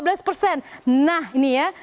biasanya ibu ibu yang andal itu